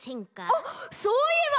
あっそういえば！